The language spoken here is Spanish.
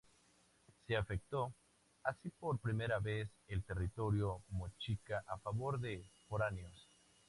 Se afectó así por primera vez el territorio mochica a favor de foráneos.